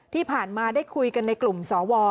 ที่ผ่านมาได้คุยกันในกลุ่มสว